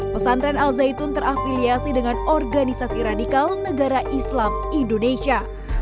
pesantren al zaitun terafiliasi dengan organisasi radikal negara islam indonesia